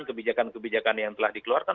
kebijakan kebijakan yang telah dikeluarkan